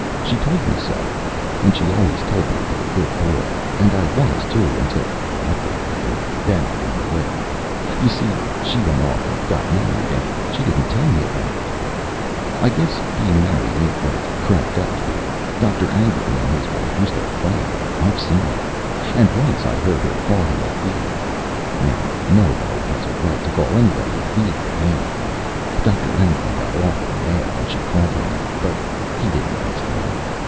She told me so. And she always told me to be a good boy. And I was, too, until afterward, and then I ran away. You see, she went off and got married, and she didn't tell me about it. I guess being married ain't what it's cracked up to be. Dr. Anglin and his wife used to fight. I've seen them. And once I heard her call him a feeb. Now nobody has a right to call anybody a feeb that ain't. Dr. Anglin got awful mad when she called him that. But he didn't last long.